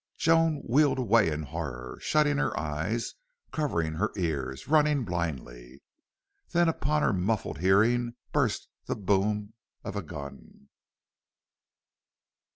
Joan wheeled away in horror, shutting her eyes, covering her ears, running blindly. Then upon her muffled hearing burst the boom of a gun.